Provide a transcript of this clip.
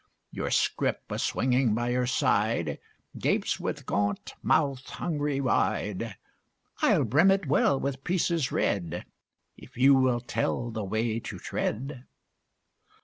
Your scrip, a swinging by your side, Gapes with a gaunt mouth hungry wide. I'll brim it well with pieces red, If you will tell the way to tread.